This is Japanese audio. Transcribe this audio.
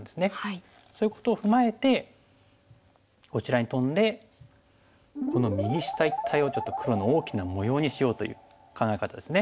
そういうことを踏まえてこちらにトンでこの右下一帯をちょっと黒の大きな模様にしようという考え方ですね。